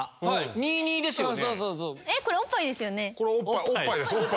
２２ですよね。